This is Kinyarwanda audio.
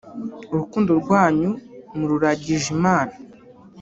urukundo rwanyu mururagije Imana